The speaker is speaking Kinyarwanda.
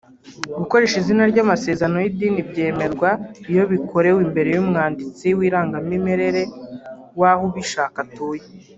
Gukoresha izina ry’amasezerano y’idini byemerwa iyo bikorewe imbere y’Umwanditsi w’Irangamimerere w’aho ubishaka atuye